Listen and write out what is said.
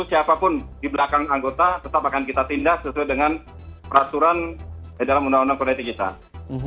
siapapun di belakang anggota tetap akan kita tindak sesuai dengan peraturan dalam undang undang politik kita